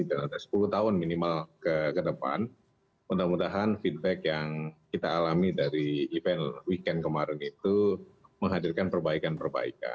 dan ada sepuluh tahun minimal ke depan mudah mudahan feedback yang kita alami dari event weekend kemarin itu menghadirkan perbaikan perbaikan